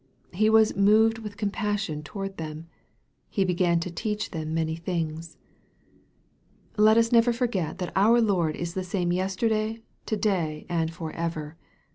He was " moved with compassion toward them. He began to teach them many things." Let us never forget that our Lord is the same yester day, to day, and for ever.